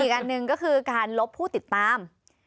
อันหนึ่งก็คือการลบผู้ติดตาม